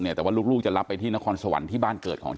แต่ว่าลูกจะรับไปที่นครสวรรค์ที่บ้านเกิดของเธอ